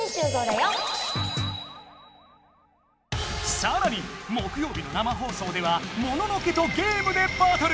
さらに木よう日の生放送ではモノノ家とゲームでバトル！